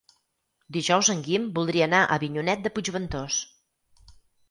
Dijous en Guim voldria anar a Avinyonet de Puigventós.